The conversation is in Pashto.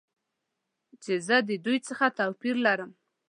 چې زه د دوی څخه توپیر لرم.